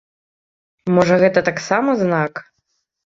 Можа гэта таксама знак?